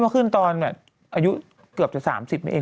ก็ได้ขึ้นตอนอายุเกือบจะ๓๐นั่นเอง